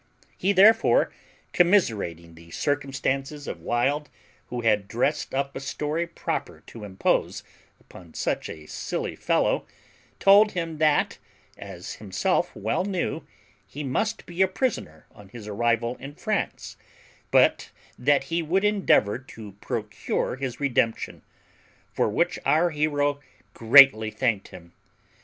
He therefore, commiserating the circumstances of Wild, who had dressed up a story proper to impose upon such a silly fellow, told him that, as himself well knew, he must be a prisoner on his arrival in France, but that he would endeavour to procure his redemption; for which our hero greatly thanked him.